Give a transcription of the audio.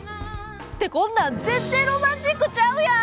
ってこんなん全然ロマンチックちゃうやん！